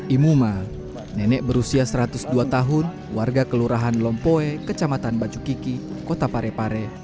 imuma nenek berusia satu ratus dua tahun warga kelurahan lompoe kecamatan bacukiki kota parepare